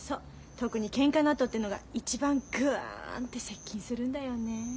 特にけんかのあとっていうのが一番グワンって接近するんだよね。